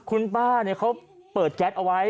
คุณป้าเขาเปิดแก๊สเอาไว้